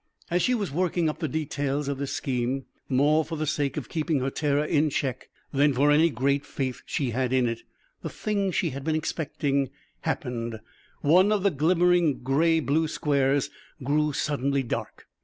As she was working up the details of this scheme more for the sake of keeping her terror in check than for any great faith she had in it the thing she had been expecting happened. One of the glimmering gray blue squares grew suddenly dark.